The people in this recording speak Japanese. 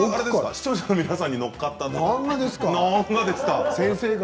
視聴者の皆さんに乗っかったんですか？